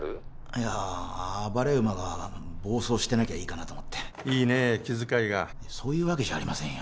いやあ暴れ馬が暴走してなきゃいいかなと思っていいねえ気遣いがそういうわけじゃありませんよ